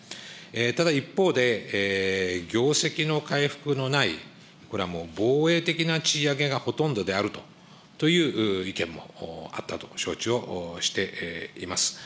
ただ、一方で業績の回復のない、これはもう防衛的な賃上げがほとんどであるという意見もあったと承知をしています。